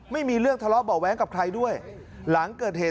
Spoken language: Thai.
ไม่มีเรื่องทะเลาะเบาะแว้งกับใครด้วยหลังเกิดเหตุ